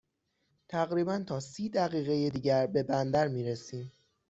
تقریباً تا سی دقیقه دیگر به بندر می رسیم.